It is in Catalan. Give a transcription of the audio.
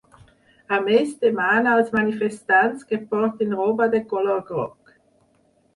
A més, demana als manifestants que portin roba de color groc.